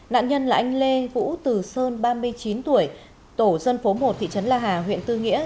nạn nhân là anh lê vũ từ sơn ba mươi chín tuổi tổ dân phố một thị trấn la hà huyện tư nghĩa